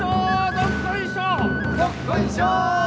どっこいしょー